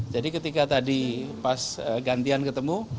jadi ketika tadi pas gantian ketemu